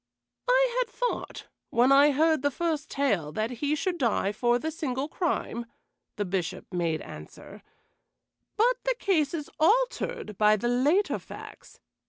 "I had thought, when I heard the first tale, that he should die for the single crime," the Bishop made answer, "but the case is altered by the later facts.